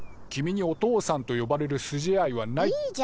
君にお父さんと呼ばれる筋合いはない！